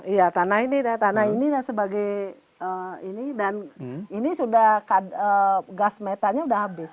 iya tanah ini sebagai ini dan ini sudah gas metanya sudah habis